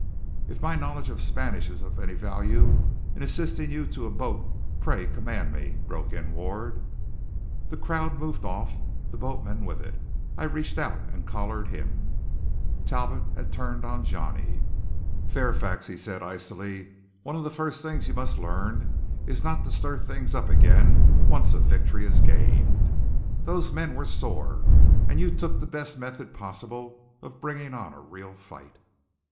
"If my knowledge of Spanish is of any value in assisting you to a boat, pray command me," broke in Ward. The crowd moved off, the boatman with it. I reached out and collared him. Talbot had turned on Johnny. "Fairfax," said he icily, "one of the first things you must learn is not to stir things up again once a victory is gained. Those men were sore; and you took the best method possible of bringing on a real fight."